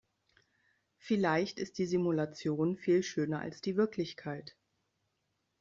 Vielleicht ist die Simulation viel schöner als die Wirklichkeit.